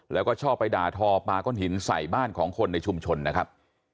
แล้วก็ชอบไปด่าทอปาก้อนหินใส่บ้านของคนในชุมชนนะครับ